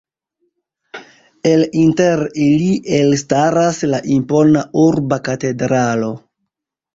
El inter ili elstaras la impona urba katedralo.